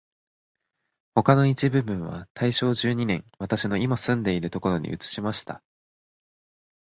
他の一部分は大正十二年、私のいま住んでいるところに移しました